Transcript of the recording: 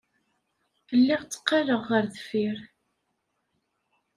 Lliɣ tteqqaleɣ ɣer deffir.